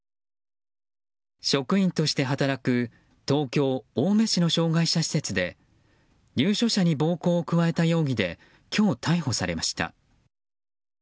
職員として働く東京・青梅市の障害者施設で入所者に暴行を加えた容疑で今日逮捕されました。